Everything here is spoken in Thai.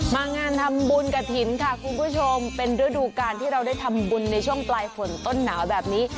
งานทำบุญกระถิ่นค่ะคุณผู้ชมเป็นฤดูการที่เราได้ทำบุญในช่วงปลายฝนต้นหนาวแบบนี้